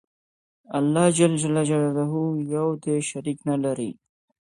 الله ج يو دى شريک نلري